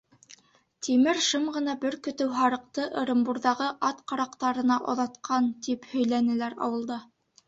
Тимер шым ғына бер көтөү һарыҡты Ырымбурҙағы ат ҡараҡтарына оҙатҡан, тип һөйләнеләр ауылда.